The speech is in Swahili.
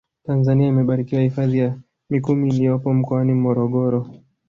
tanzania imebarikiwa hifadhi ya mikumi iliyopo mkoani morogoro